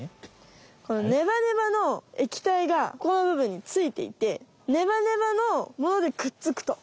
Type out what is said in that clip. このネバネバのえきたいがこのぶぶんについていてネバネバのものでくっつくと。